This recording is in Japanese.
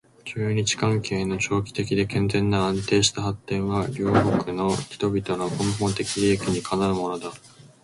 中日関係の長期的で健全な安定した発展は両国の人々の根本的利益にかなうものだ